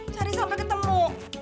cari sampe ketemu